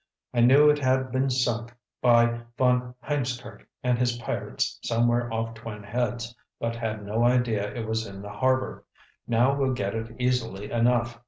I knew it had been sunk by von Hiemskirk and his pirates somewhere off Twin Heads, but had no idea it was in the harbor. Now we'll get it easily enough.